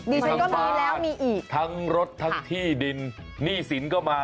มีทั้งบ้านมีทั้งรถทั้งที่ดินหนี้สินก็มา